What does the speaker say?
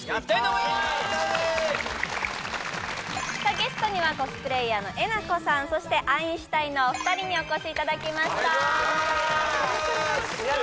ゲストにはコスプレイヤーのえなこさんそしてアインシュタインのお二人にお越しいただきましたお願いします